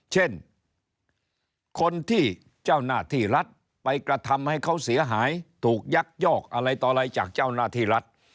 เช่นคนที่เจ้าหน้าที่รัฐไปกระทำให้เขาเสียหายถูกยักยอกอะไรต่ออะไรจากเจ้าหน้าที่รัฐ